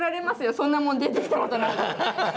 「そんなもん出てきたことない」。